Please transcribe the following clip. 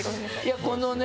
このね